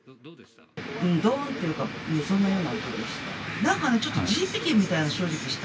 どーんというか、そんなような音でした。